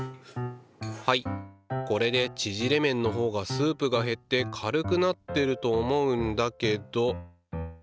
はいこれでちぢれ麺のほうがスープが減って軽くなってると思うんだけど。